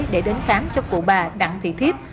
để đến khám cho cụ bà đặng thị thiếp